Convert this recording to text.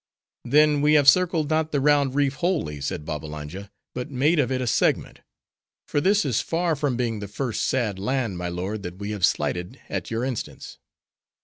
"Then we have circled not the round reef wholly," said Babbalanja, "but made of it a segment. For this is far from being the first sad land, my lord, that we have slighted at your instance."